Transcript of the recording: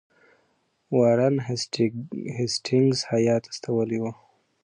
وارن هیسټینګز هیات استولی وو.